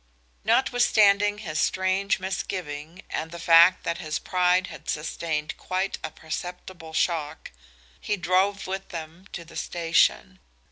Notwithstanding his strange misgiving and the fact that his pride had sustained quite a perceptible shock, he drove with them to the station.